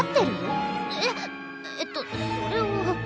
えっえっとそれは。